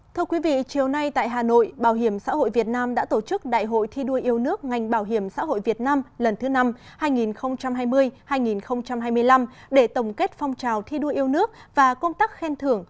thưa quý vị chiều nay tại hà nội bảo hiểm xã hội việt nam đã tổ chức đại hội thi đua yêu nước ngành bảo hiểm xã hội việt nam lần thứ năm hai nghìn hai mươi hai nghìn hai mươi năm để tổng kết phong trào thi đua yêu nước và công tác khen thưởng